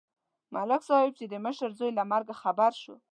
ملک صاحب چې د مشر زوی له مرګه خبر شو.